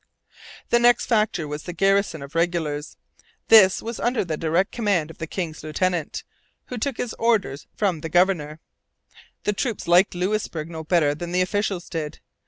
The next factor was the garrison of regulars. This was under the direct command of the king's lieutenant, who took his orders from the governor. The troops liked Louisbourg no better than the officials did.